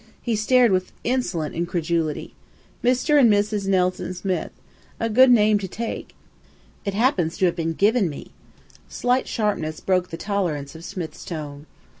He stared with insolent incredulity. "'Mr. and Mrs. Nelson Smith.' A good name to take." "It happens to have been given me." Slight sharpness broke the tolerance of Smith's tone.